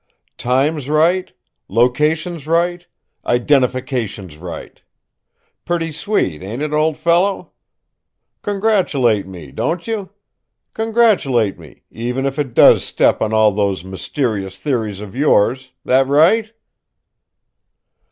"Time's right, location's right, identification's right! Pretty sweet, ain't it, old fellow? Congratulate me, don't you? Congratulate me, even if it does step on all those mysterious theories of yours that right?"